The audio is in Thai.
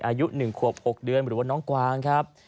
อายุ๑ขวบ๖เดือนหรือว่าน้องกวางครับ